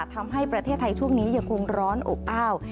ทำให้ประเทศไทยช่วงนี้ยังคงร้อนอบอ้าว